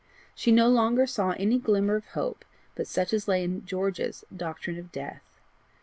She no longer saw any glimmer of hope but such as lay in George's doctrine of death.